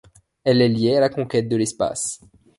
Elle est liée à la conquête de l'espace.